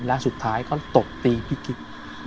และสุดท้ายเขาตบตีพี่กิ๊ก